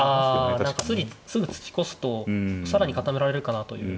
あ何かすぐ突き越すと更に固められるかなという。